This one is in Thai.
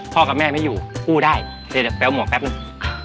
พ่อกับแม่ไม่อยู่อู้ได้เดี๋ยวเดี๋ยวแบบหมวกแป๊บหนึ่ง